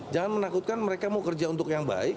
jangan menakutkan mereka mau kerja untuk yang baik